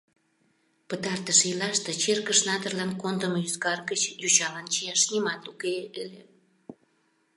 Пытартыш ийлаште черкыш надырлан кондымо ӱзгар гыч йочалан чияш нимат уке ыле.